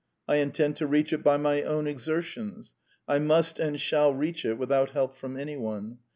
I intend to reach it by my own exertions. I must and shall reach it without help from anyone.